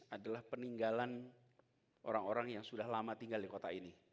adalah peninggalan orang orang yang sudah lama tinggal di kota ini